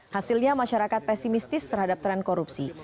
hasilnya masyarakat pesimistis terhadap tren korupsi